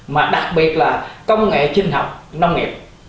mà đặc biệt là công nghệ sinh học nông nghiệp